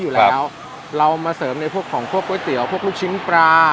อยู่แล้วเรามาเสริมในพวกของพวกก๋วยเตี๋ยวพวกลูกชิ้นปลา